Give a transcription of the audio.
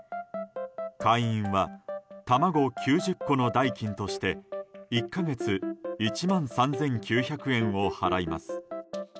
会員は、卵９０個の代金として１か月１万３９００円を払います。